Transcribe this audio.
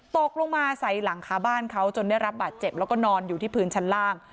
ตกลงมาใส่หลังคาบ้านเขาจนได้รับบาดเจ็บแล้วก็นอนอยู่ที่พื้นชั้นล่าง